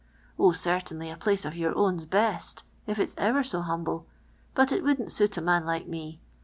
Oh, ccitainly, a place of your own 'k Ite.'t, if it's ever so humble, but it wouldn't suit a man like me.